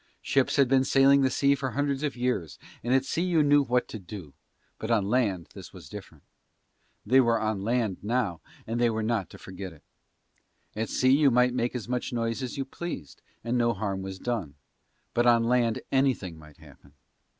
Ships had been sailing the sea for hundreds of years and at sea you knew what to do, but on land this was different. They were on land now and they were not to forget it. At sea you might make as much noise as you pleased and no harm was done, but on land anything might happen.